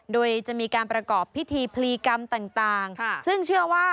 โดยจะมีการประกอบพิธีพลีกรรมต่างซึ่งเชื่อว่า